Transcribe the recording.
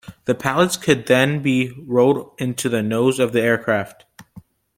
The pallets could then be rolled into the nose of the aircraft.